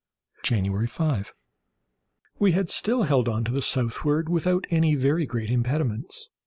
January 5.—We had still held on to the southward without any very great impediments.